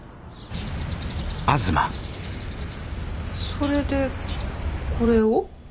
それでこれを？